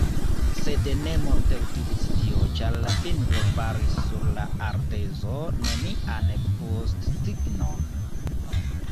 Sed ne multe utilis tio, ĉar la fingro faris sur la ardezo nenian postsignon.